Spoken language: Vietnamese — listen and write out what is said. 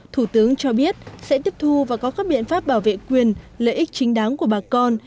thủ tướng cho biết sẽ tiếp thu và có các biện pháp bảo vệ quyền lợi ích chính đáng của bà con